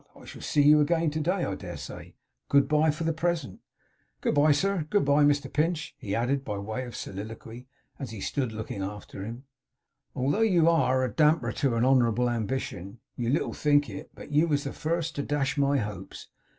I shall see you again to day, I dare say. Good bye for the present.' 'Good bye, sir! Good bye, Mr Pinch!' he added by way of soliloquy, as he stood looking after him. 'Although you ARE a damper to a honourable ambition. You little think it, but you was the first to dash my hopes.